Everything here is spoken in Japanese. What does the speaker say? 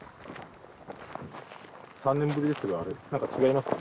３年ぶりですけど何か違いますか？